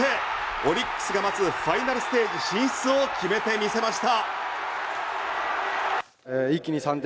オリックスがまずファイナルステージ進出を決めてみせました。